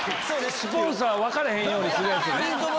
スポンサー分かれへんようにするやつ。